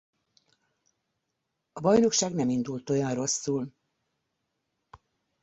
A bajnokság nem indult olyan rosszul.